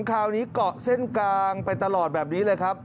คราวนี้เกาะเส้นกลางไปตลอดแบบนี้เลยครับ